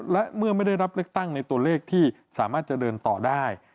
และเมื่อไม่ได้รับเลือกตั้งในตัวเลขที่สามารถจะเดินต่อได้